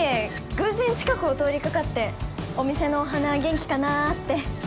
偶然近くを通りかかってお店のお花元気かなって・